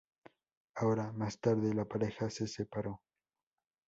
Años más tarde la pareja se separó.